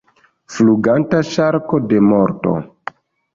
Fluganta ŝarko de morto!